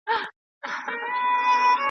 په تورونو کي دي بند کړل زموږ سرونه .